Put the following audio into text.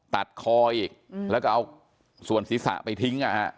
ตัดคออีกแล้วก็เอาส่วนศีรษะไปทิ้ง